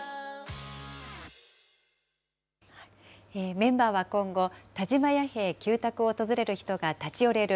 メンバーは今後、田島弥平旧宅を訪れる人が立ち寄れる